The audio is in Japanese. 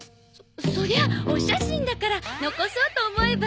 そりゃあお写真だから残そうと思えば。